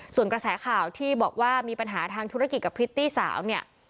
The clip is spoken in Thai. ส่วนกระแสข่าวที่บอกว่ามีปัญหาทางธุรกิจกับพริตตี้สาวเนี่ย